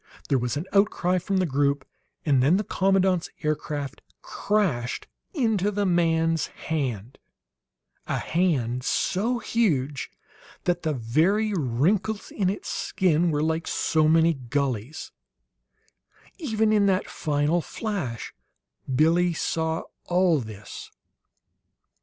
There was an outcry from the group, and then the commandant's aircraft crashed into the man's HAND; a hand so huge that the very wrinkles in its skin were like so many gulleys; even in that final flash Billie saw all this.